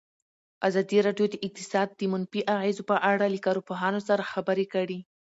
ازادي راډیو د اقتصاد د منفي اغېزو په اړه له کارپوهانو سره خبرې کړي.